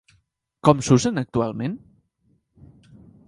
Com s'usen actualment?